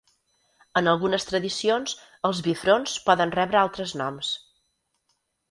En algunes tradicions els bifronts poden rebre altres noms.